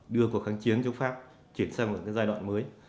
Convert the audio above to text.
đưa cuộc kháng chiến chống pháp chuyển sang một giai đoạn mới